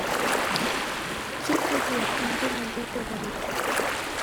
Keep me here until I get over it.